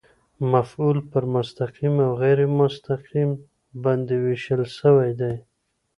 مفعول پر مستقیم او غېر مستقیم باندي وېشل سوی دئ.